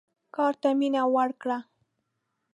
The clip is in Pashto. کار ته مینه ورکړه.